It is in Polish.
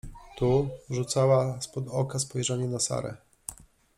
— Tu rzucała spod oka spojrzenie na Sarę.